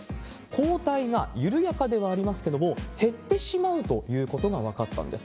抗体が、緩やかではありますけれども減ってしまうということが分かったんです。